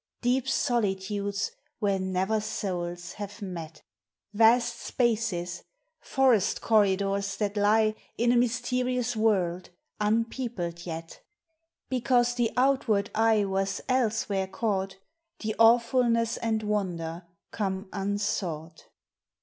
Deep solitudes, where never souls have met; Vast spaces, forest corridors that lie In a mysterious world, unpeopled yet. Because the outward eye was elsewhere caught, The awfulness and wonder come unsought.